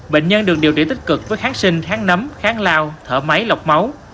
bệnh nhân được điều trị tích cực với kháng sinh kháng nấm kháng lao thở máy lọc máu